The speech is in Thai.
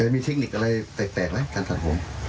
มีเทคนิคอะไรแตกไหมการถัดโฮง